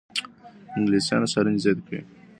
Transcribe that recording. انګلیسانو څارنې زیاتې کړې.